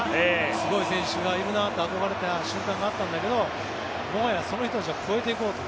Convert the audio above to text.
すごいで選手がいるなって憧れた瞬間があったんだけどもはやその人たちを超えていこうと。